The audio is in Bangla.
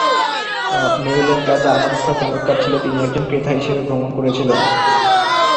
মেউলেন, যার জার্মান ভাষা চমৎকার ছিল, তিনি একজন ক্রেতা হিসেবে ভ্রমণ করেছিলেন।